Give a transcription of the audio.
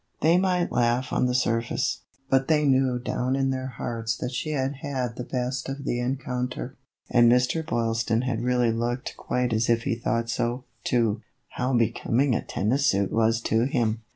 They might laugh on the surface, but they knew down in their hearts that she had had the best of the encounter ; and Mr. Boyl ston had really looked quite as if he thought so, too. How becoming a tennis suit was to him